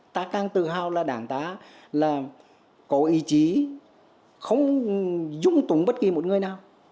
ta càng tự hào là đảng ta là có ý chí không dung túng bất kỳ một người nào